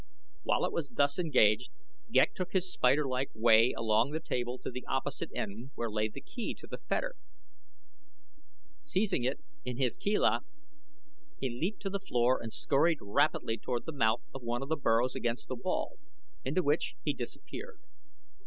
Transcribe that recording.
While it was thus engaged Ghek took his spider like way along the table to the opposite end where lay the key to the fetter. Seizing it in a chela he leaped to the floor and scurried rapidly toward the mouth of one of the burrows against the wall, into which he disappeared.